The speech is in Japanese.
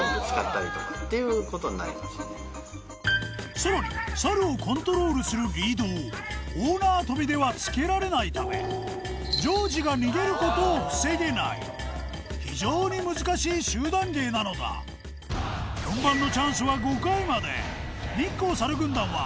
さらに猿をコントロールするリードを大縄跳びでは付けられないためジョージが逃げることを防げない非常に難しい集団芸なのだ本番のチャンス